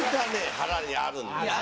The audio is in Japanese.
腹にあるんですよ。